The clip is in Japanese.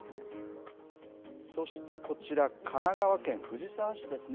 そしてこちら神奈川県藤沢市ですね。